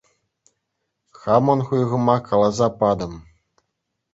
Хамӑн хуйӑхӑма каласа патӑм.